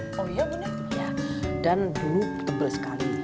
iya dan dulu tebal sekali